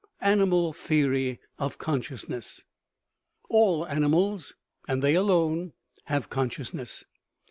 Animal theory of consciousness. All animals, arid they alone, have consciousness.